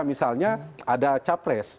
misalnya ada capres